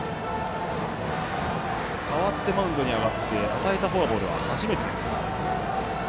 代わってマウンドに上がって与えたフォアボールは初めてです。